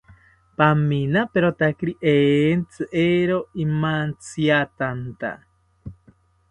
Paminaperotakiri entzi, eero imantziatanta